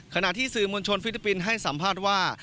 ขณะที่สื่อมวลชนฟิลิปปินส์ให้สัมภาษณ์ว่า